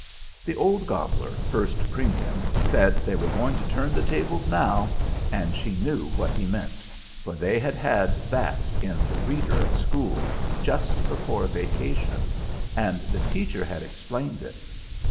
The old gobbler, First Premium, said they were going to turn the tables now, and she knew what he meant, for they had had that in the reader at school just before vacation, and the teacher had explained it.